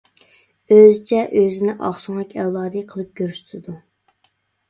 ئۆزىچە ئۆزىنى ئاقسۆڭەك ئەۋلادى قىلىپ كۆرسىتىدۇ.